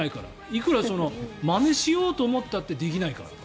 いくらまねしようと思ったってできないから。